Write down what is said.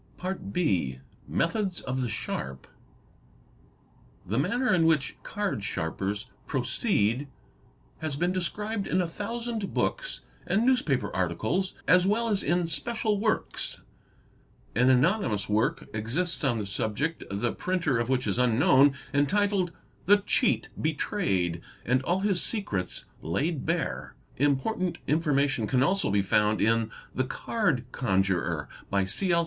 | a | EBRD (28 AAR Ane 1 NZ se B. Methods of the sharp. The manner in which card sharpers proceed has been described in a thousand books and newspaper articles as well as in special works, An anonymous work exists on the subject, the printer of which is unknown, entitled "The Cheat betrayed and all his secrets laid bare". Important 4 information can also be found in "The Card Conjurer" by C. L.